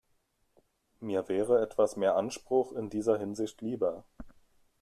Mir wäre etwas mehr Anspruch in dieser Hinsicht lieber.